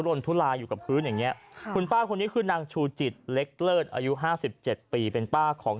นทุลายอยู่กับพื้นอย่างเงี้ยคุณป้าคนนี้คือนางชูจิตเล็กเลิศอายุห้าสิบเจ็ดปีเป็นป้าของ